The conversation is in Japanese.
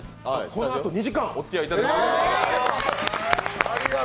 このあと２時間、おつきあいいただきます。